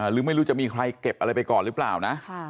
หรือไม่รู้จะมีใครเก็บอะไรไปก่อนหรือเปล่านะ